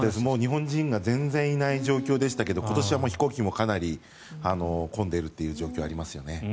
日本人が全然いない状況でしたが今年は飛行機もかなり混んでいる状況がありますね。